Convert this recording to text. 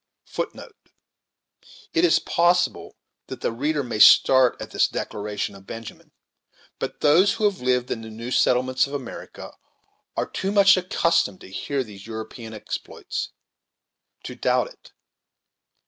It is possible that the reader may start at this declaration of Benjamin, but those who have lived in the new settlements of America are too much accustomed to hear of these European exploits to doubt it.